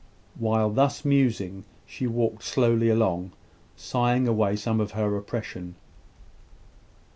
While thus musing, she walked slowly along, sighing away some of her oppression.